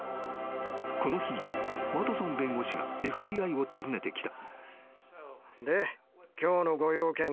［この日ワトソン弁護士がＦＢＩを訪ねてきた］